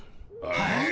はい？